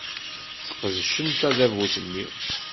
Sqedcen tadabut-nni.